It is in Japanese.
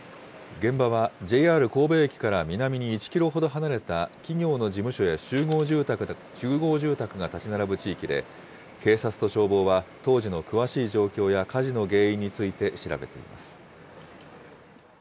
現場はＪＲ神戸駅から南に１キロほど離れた、企業の事務所や集合住宅が建ち並ぶ地域で、警察と消防は当時の詳しい状況や火事の原因について調べています。